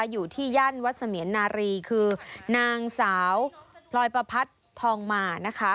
อยู่ที่ย่านวัดเสมียนนารีคือนางสาวพลอยประพัดทองมานะคะ